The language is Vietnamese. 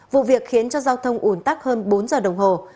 vụ việc khiến cho giao thông ủn tắc hơn bốn giờ đồng hồ